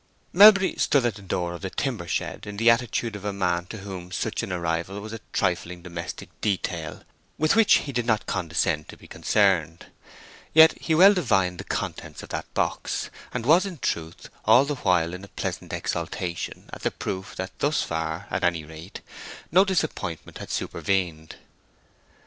Melbury stood at the door of the timber shed in the attitude of a man to whom such an arrival was a trifling domestic detail with which he did not condescend to be concerned. Yet he well divined the contents of that box, and was in truth all the while in a pleasant exaltation at the proof that thus far, at any rate, no disappointment had supervened.